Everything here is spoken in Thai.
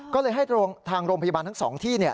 ก็เลยให้ทางโรงพยาบาลทั้ง๒ที่